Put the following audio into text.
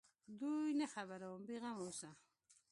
دوى نه خبروم بې غمه اوسه.